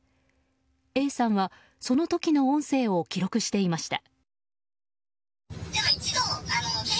Ａさんは、その時の音声を記録していました。